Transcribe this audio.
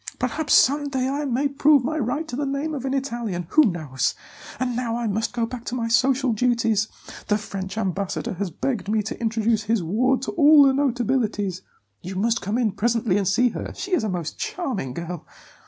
Perhaps some day I may prove my right to the name of an Italian who knows? And now I must go back to my social duties; the French ambassador has begged me to introduce his ward to all the notabilities; you must come in presently and see her. She is a most charming girl.